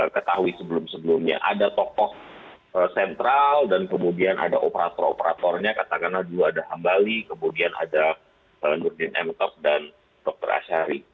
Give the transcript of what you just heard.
ketahui sebelum sebelumnya ada tokoh sentral dan kemudian ada operator operatornya katakanlah juga ada hambali kemudian ada nurjin emcov dan dr asyari